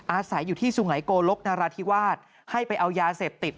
อาศัยอยู่ที่สุไงโกลกนราธิวาสให้ไปเอายาเสพติด